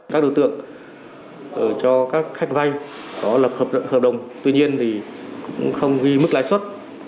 các đối tượng cho các khách vai có lập hợp đồng tuy nhiên thì không ghi mức lãi suất